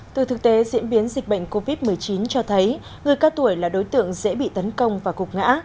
từ thực tế diễn biến dịch bệnh covid một mươi chín cho thấy người cao tuổi là đối tượng dễ bị tấn công và cục ngã